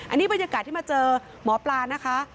อันนี้บรรยากาศที่มาเจอหมอปลานะคะ